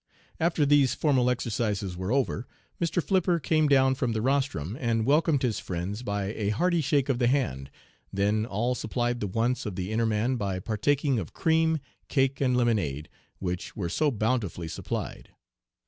After these formal exercises were over, Mr. Flipper came down from the rostrum and welcomed his friends by a hearty shake of the hand, then all supplied the wants of the inner man by partaking of cream, cake, and lemonade, which were so bountifully supplied.